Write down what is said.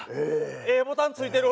ええボタンついてる。